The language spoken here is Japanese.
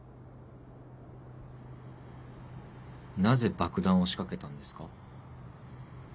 なぜ爆弾を仕掛けたんですか？